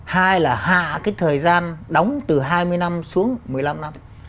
hai là hạ cái thời gian đóng từ hai mươi năm xuống một mươi năm năm